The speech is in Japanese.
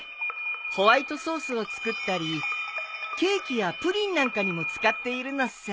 ホワイトソースを作ったりケーキやプリンなんかにも使っているのさ。